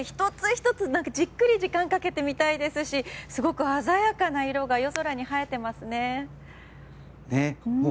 １つ１つ、じっくり時間をかけて見たいですしすごく鮮やかな色が夜空に映えていますね。